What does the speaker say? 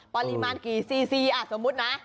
ปริมาณกี่ซีซีสมมุตินะ